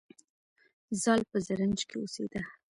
زال په زرنج کې اوسیده